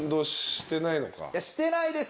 してないですよ。